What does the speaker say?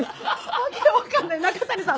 訳分かんない中谷さん